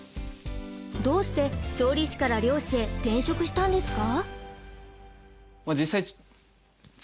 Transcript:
どうして調理師から漁師へ転職したんですか？